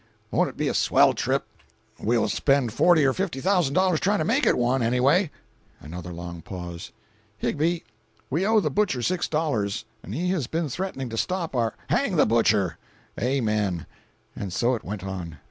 "Won't it be a swell trip!" "We'll spend forty or fifty thousand dollars trying to make it one, anyway." Another long pause. "Higbie, we owe the butcher six dollars, and he has been threatening to stop our—" "Hang the butcher!" "Amen." And so it went on.